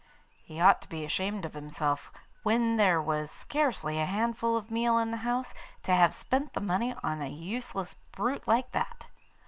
He ought to be ashamed of himself, when there was scarcely a handful of meal in the house, to have spent the money on a useless brute like that.